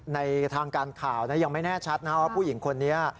ในทางการข่าวยังไม่แน่ชัดนะว่าผู้หญิงคนนี้